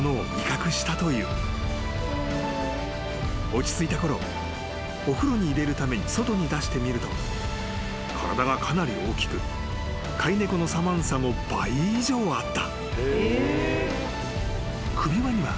［落ち着いたころお風呂に入れるために外に出してみると体がかなり大きく飼い猫のサマンサの倍以上あった］